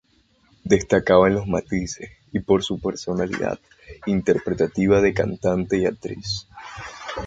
Destacaba en los matices y por su personalidad interpretativa de cantante y actriz.